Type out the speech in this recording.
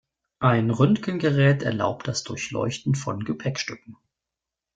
Ein Röntgengerät erlaubt das Durchleuchten von Gepäckstücken.